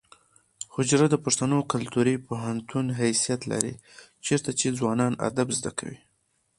حجره د پښتنو د کلتوري پوهنتون حیثیت لري چیرته چې ځوانان ادب زده کوي.